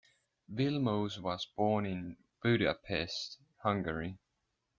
Vilmos was born in Budapest, Hungary.